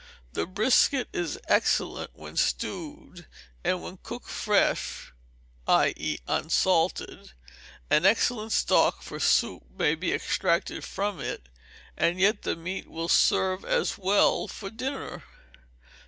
The brisket is excellent when stewed; and when cooked fresh (i.e., unsalted) an excellent stock for soup may be extracted from it, and yet the meat will serve as well for dinner.